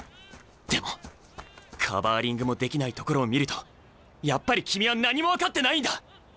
でもカバーリングもできないところを見るとやっぱり君は何も分かってないんだ！